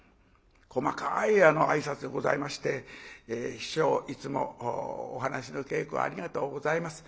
細かい挨拶でございまして師匠いつもお噺の稽古ありがとうございます。